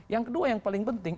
yang kedua yang paling penting